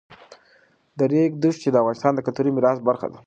د ریګ دښتې د افغانستان د کلتوري میراث برخه ده.